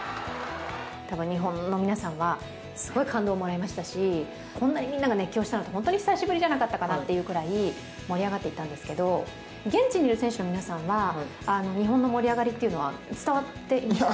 日本の皆さんはすごい感動をもらいましたしこんなにみんなが熱狂したのは本当に久しぶりじゃないかなというぐらい盛り上がっていたんですけど、現地にいる選手の皆さんは日本の盛り上がりは伝わっているんですか？